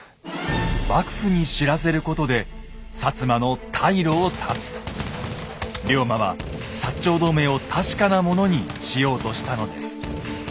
幕府に知らせることで龍馬は長同盟を確かなものにしようとしたのです。